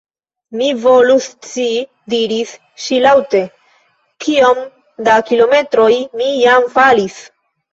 "Mi volus scii," diris ŝi laŭte, "kiom da kilometroj mi jam falis. »